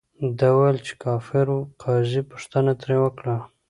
ده ویل، چې کافر ؤ. قاضي پوښتنه ترې وکړه،